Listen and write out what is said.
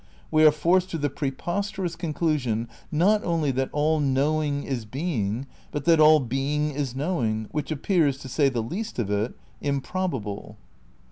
We are forced to the preposterous conclusion not only that all Knowing is being, but that all being is knowing, which appears, to say the least of it, improbable.